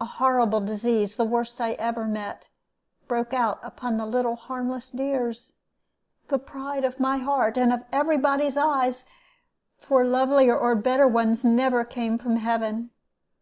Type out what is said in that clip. A horrible disease, the worst I ever met, broke out upon the little harmless dears, the pride of my heart and of every body's eyes, for lovelier or better ones never came from heaven.